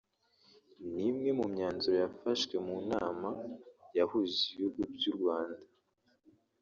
ni umwe mu myanzuro yafashwe mu nama yahuje ibihugu by’u Rwanda